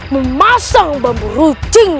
memasang bambu rujing